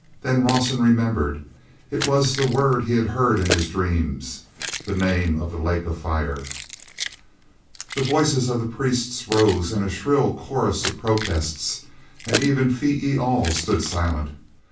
Then Rawson remembered. It was the word he had heard in his dreams, the name of the lake of fire. The voices of the priests rose in a shrill chorus of protests, and even Phee e al stood silent.